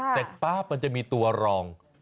แต่มันจะมีตัวรอง